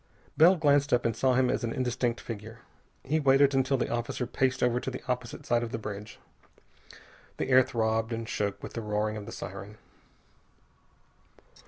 Bell glanced up and saw him as an indistinct figure. He waited until the officer paced over to the opposite side of the bridge. The air throbbed and shook with the roaring of the siren.